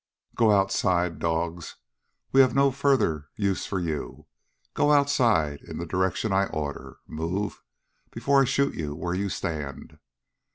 "Go outside, dogs! We have no further use for you! Go outside and in the direction I order. Move, before I shoot you where you stand!"